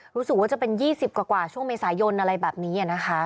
รู้สึกว่าจะเป็น๒๐กว่าช่วงเมษายนอะไรแบบนี้นะคะ